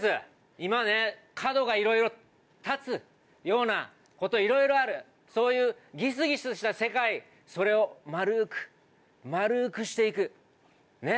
今ね角がいろいろ立つようなこといろいろあるそういうぎすぎすした世界それをまるくまるくして行くねっ。